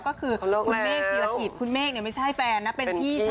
ก็คือคุณเมฆจีรกิจคุณเมฆไม่ใช่แฟนนะเป็นพี่ชาย